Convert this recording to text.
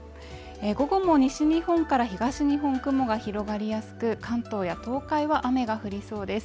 午後も西日本から東日本雲が広がりやすく、関東や東海は雨が降りそうです